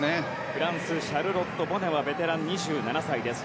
フランスシャルロット・ボネはベテラン、２７歳です。